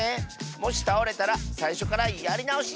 もしたおれたらさいしょからやりなおし！